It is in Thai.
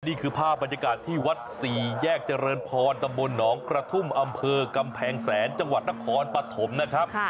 นี่คือภาพบรรยากาศที่วัดสี่แยกเจริญพรตำบลหนองกระทุ่มอำเภอกำแพงแสนจังหวัดนครปฐมนะครับ